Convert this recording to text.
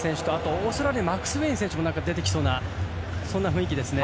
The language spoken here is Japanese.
オーストラリアのマクスウェイン選手も出てきそうな雰囲気ですね。